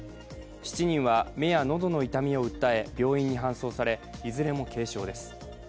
７人は目や喉の痛みを訴え病院に搬送されいずれも軽傷です。